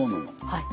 はい。